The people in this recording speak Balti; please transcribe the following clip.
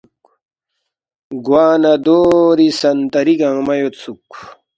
گوا نہ دوری سنتری گنگمہ یودسُوک